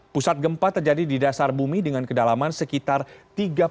pusat gempa terjadi di dasar bumi dengan kedalaman sekitar tiga puluh